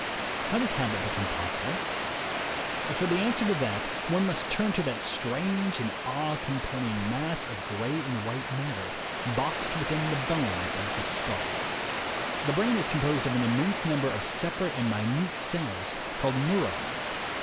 How does habit become possible? For the answer to that, one must turn to that strange and awe compelling mass of gray and white matter boxed within the bones of the skull. The brain is composed of an immense number of separate and minute cells, called "neurones."